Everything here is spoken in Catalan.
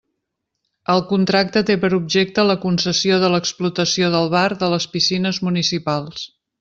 El contracte té per objecte la concessió de l'explotació del bar de les piscines municipals.